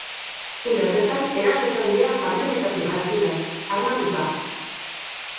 Une horretan erasotzailea kamionetatik jaitsi da, armatuta.